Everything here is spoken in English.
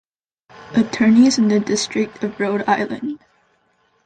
Attorneys in the District of Rhode Island.